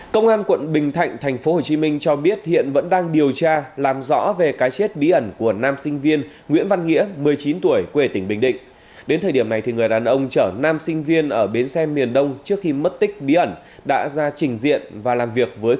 công an quận bình thạnh tp hcm cho biết hiện vẫn đang điều tra làm rõ về cái chết bí ẩn của nam sinh viên nguyễn văn nghĩa một mươi chín tuổi quê tỉnh bình định đến thời điểm này người đàn ông chở nam sinh viên ở bến xe miền đông trước khi mất tích bí ẩn đã ra trình diện và làm việc với